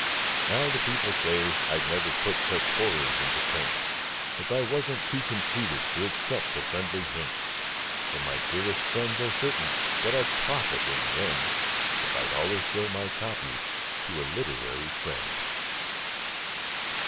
Now the people say I'd never put such horrors into print If I wasn't too conceited to accept a friendly hint, And my dearest friends are certain that I'd profit in the end If I'd always show my copy to a literary friend.